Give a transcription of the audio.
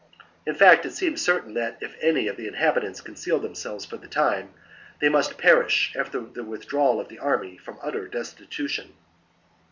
In fact, it seemed certain that even if any of the inhabitants concealed themselves for the time, they must perish, after the withdrawal of the army, from utter destitution.